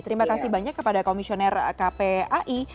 terima kasih banyak kepada komisioner kpai